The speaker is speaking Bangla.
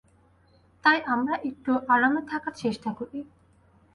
তাই আমরা একটু আরামে থাকার চেষ্টা করি।